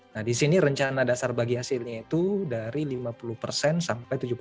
nah disini rencana dasar bagi hasilnya itu dari lima puluh sampai tujuh puluh